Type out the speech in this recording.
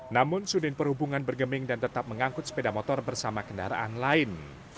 namun sudin perhubungan bergeming dan tetap mengangkut sepeda motor bersama kendaraan lain